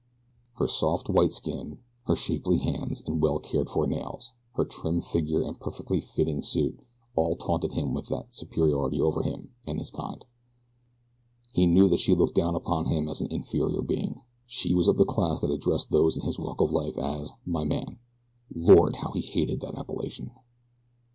Her soft, white skin; her shapely hands and well cared for nails; her trim figure and perfectly fitting suit all taunted him with their superiority over him and his kind. He knew that she looked down upon him as an inferior being. She was of the class that addressed those in his walk of life as "my man." Lord, how he hated that appellation!